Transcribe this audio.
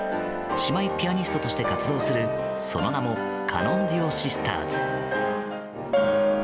姉妹ピアニストとして活動するその名もカノンデュオシスターズ。